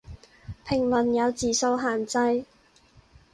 評論有字數限制